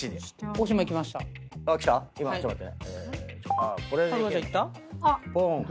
えちょっと待って。